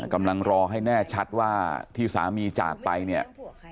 กำลังรอให้แน่ชัดว่าที่สามีจากไปเนี่ย